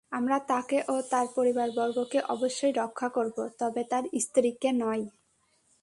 আমরা তাকে ও তার পরিবারবর্গকে অবশ্যই রক্ষা করব, তবে তার স্ত্রীকে নয়।